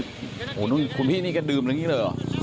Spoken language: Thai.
โอ้โหคุณพี่นี่ก็ดื่มอย่างนี้เลยเหรอ